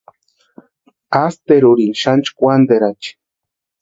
Asterurini xani chʼkwantirachi.